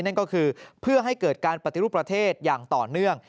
นั่นก็คือเพื่อให้เกิดการปฏิรูปประเทศอย่างต่อเนื่อง